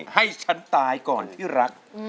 ให้ฉันตายก่อนที่รัก